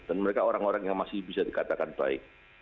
dan mereka orang orang yang masih bisa dikatakan baik